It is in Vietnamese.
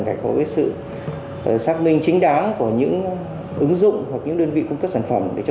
phải có sự xác minh chính đáng của những ứng dụng hoặc những đơn vị cung cấp sản phẩm để cho